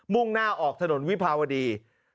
่งหน้าออกถนนวิภาวดี